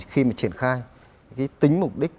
khi mà triển khai cái tính mục đích